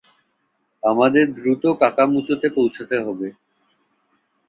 আমাদের দ্রুত কাকামুচোতে পৌঁছতে হবে!